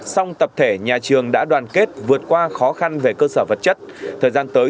song tập thể nhà trường đã đoàn kết vượt qua khó khăn về cơ sở vật chất thời gian tới